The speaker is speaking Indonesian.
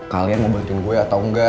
kalian mau bantuin gue atau enggak